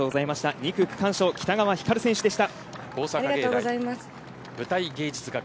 ２区区間賞に北川星瑠選手でした。